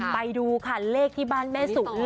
ไปดูค่ะเลขที่บ้านแม่สุ